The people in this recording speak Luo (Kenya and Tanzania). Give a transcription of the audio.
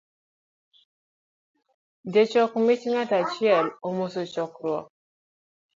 Jochok mich, ng’ato achiel omos chokruok